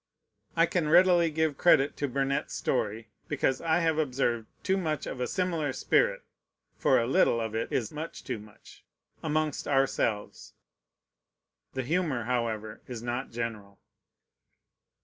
I can readily give credit to Burnet's story; because I have observed too much of a similar spirit (for a little of it is "much too much") amongst ourselves. The humor, however, is not general.